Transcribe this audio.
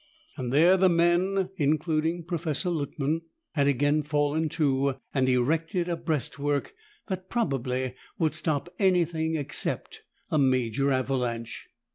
There the men, including Professor Luttman, had again fallen to and erected a breastwork that probably would stop anything except a major avalanche.